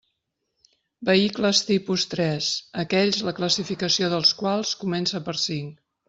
Vehicles tipus tres: aquells la classificació dels quals comence per cinc.